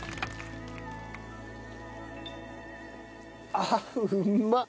あっうまっ。